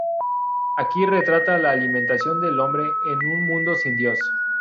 Aquí retrata la alienación del hombre en un mundo sin Dios.